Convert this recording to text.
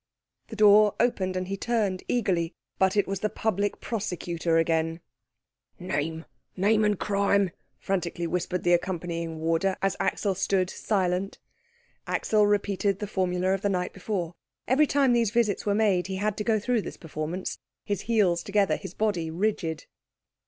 The door opened, and he turned eagerly; but it was the Public Prosecutor again. "Name, name, and crime!" frantically whispered the accompanying warder, as Axel stood silent. Axel repeated the formula of the night before. Every time these visits were made he had to go through this performance, his heels together, his body rigid.